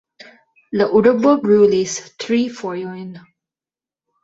La urbo brulis tri fojojn.